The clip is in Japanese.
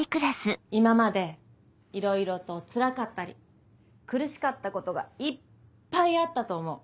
今までいろいろとつらかったり苦しかったことがいっぱいあったと思う。